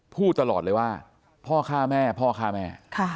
พูดตลอดเลยว่าพ่อฆ่าแม่พ่อฆ่าแม่